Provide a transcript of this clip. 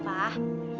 nih makan ya pa